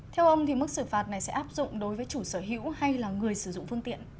theo ông thì mức xử phạt này sẽ áp dụng đối với chủ sở hữu hay là người sử dụng phương tiện